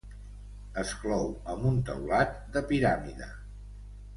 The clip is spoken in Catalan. Es clou amb un teulat de piràmide.